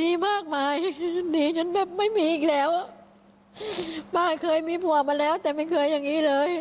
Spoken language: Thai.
ดีมากมายดีฉันแบบไม่มีอีกแล้วป้าเคยมีผัวมาแล้วแต่ไม่เคยอย่างนี้เลย